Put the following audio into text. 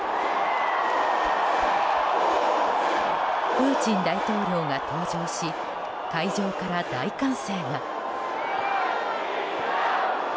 プーチン大統領が登場し会場から大歓声が。